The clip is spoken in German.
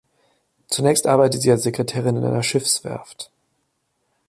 Zunächst arbeitet sie als Sekretärin in einer Schiffswerft.